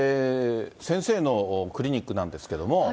先生のクリニックなんですけれども。